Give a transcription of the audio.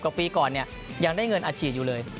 ๑๐กว่าปีก่อนยังได้เงินอาชีพอยู่เลย